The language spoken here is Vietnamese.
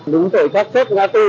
đúng tội pháp xếp ngã tư